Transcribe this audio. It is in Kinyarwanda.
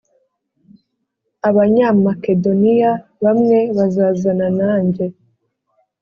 Abanyamakedoniya bamwe bazazana nanjye